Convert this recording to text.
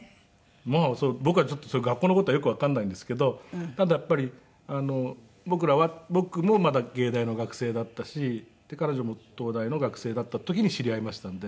まあ僕はちょっと学校の事はよくわかんないんですけどただやっぱり僕もまだ藝大の学生だったし彼女も東大の学生だった時に知り合いましたんで。